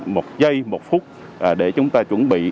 một giây một phút để chúng ta chuẩn bị